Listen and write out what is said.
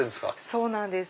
そうなんです。